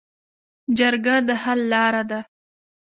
جرګه د حل لاره ده